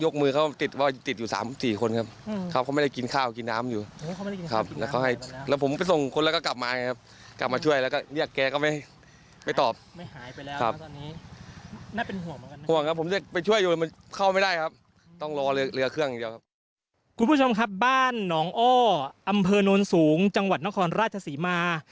คุณผู้ชมครับบ้านหนองอ้ออำเภอโน้นสูงจังหวัดนครราชศรีมา